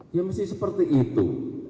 ya mesti seperti itu